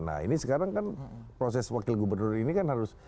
nah ini sekarang kan proses wakil gubernur ini kan harus